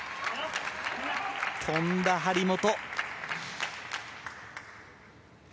跳んだ張本。